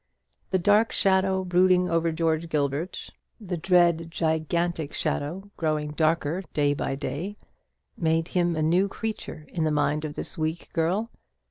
The dark shadow brooding over George Gilbert the dread gigantic shadow, growing darker day by day made him a new creature in the mind of this weak girl.